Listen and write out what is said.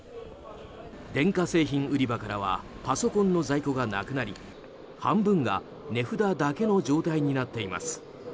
電化製品売り場からはパソコンの在庫がなくなり半分が値札だけの状態になっています。